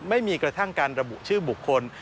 ไม่มีกระทั่งการระบุชื่อบุคคล